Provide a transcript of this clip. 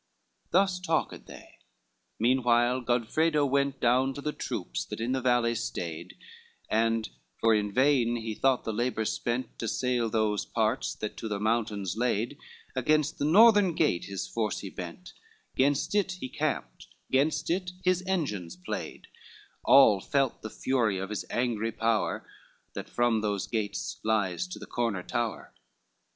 LXIV Thus talked they; meanwhile Godfredo went Down to the troops that in the valley stayed, And for in vain he thought the labor spent, To assail those parts that to the mountains laid, Against the northern gate his force he bent, Gainst it he camped, gainst it his engines played; All felt the fury of his angry power, That from those gates lies to the corner tower.